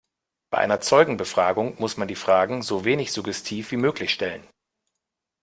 Bei einer Zeugenbefragung muss man die Fragen so wenig suggestiv wie möglich stellen.